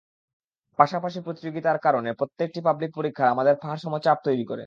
পাশাপাশি প্রতিযোগিতার কারণে প্রত্যেকটি পাবলিক পরীক্ষার আমাদের পাহাড়সম চাপ তৈরি করে।